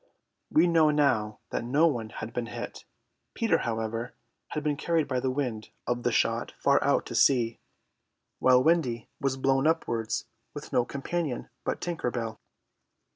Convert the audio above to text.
We know now that no one had been hit. Peter, however, had been carried by the wind of the shot far out to sea, while Wendy was blown upwards with no companion but Tinker Bell.